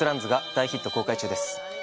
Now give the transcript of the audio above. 大ヒット公開中です